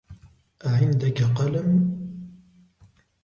أعندك قلم؟